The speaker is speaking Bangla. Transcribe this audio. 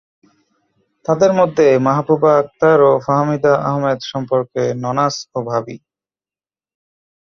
তাঁদের মধ্যে মাহবুবা আক্তার ও ফাহমিদা আহমেদ সম্পর্কে ননাস ও ভাবি।